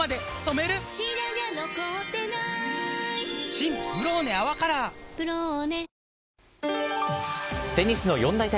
新「ブローネ泡カラー」「ブローネ」